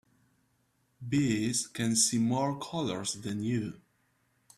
Bees can see more colors than you.